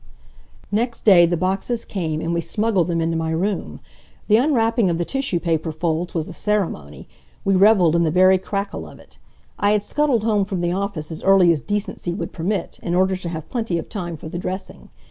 Next day the boxes came, and we smuggled them into my room. The unwrapping of the tissue paper folds was a ceremony. We reveled in the very crackle of it. I had scuttled home from the office as early as decency would permit, in order to have plenty of time for the dressing.